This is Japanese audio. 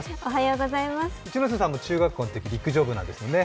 一ノ瀬さんも中学校のとき陸上部なんですもんね。